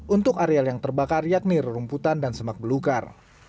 untuk areal yang terbakar yakni rumputan dan semak belukar